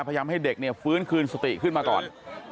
ให้เด็กเนี่ยฟื้นคืนสติขึ้นมาก่อน